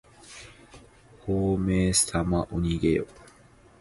ほうめいさまおにげよ。